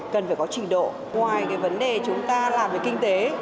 cần phải có trình độ ngoài cái vấn đề chúng ta làm về kinh tế